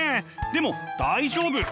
でも大丈夫。